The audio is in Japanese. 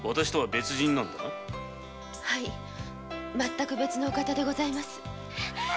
はい全く別のお方でございます。